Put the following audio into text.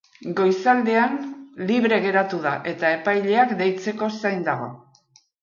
Goizaldean libre geratu da, eta epaileak deitzeko zain dago.